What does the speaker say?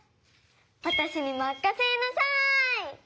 わたしにまかせなさい。